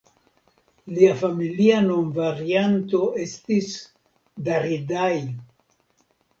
Lia familia nomvarianto estis "Daridai".